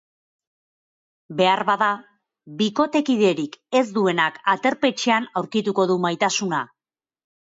Beharbada, bikotekiderik ez duenak aterpetxean aurkituko du maitasuna!